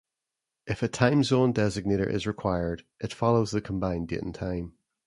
If a time zone designator is required, it follows the combined date and time.